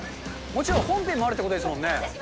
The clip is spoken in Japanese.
もちろん、本編もあるってことですよね。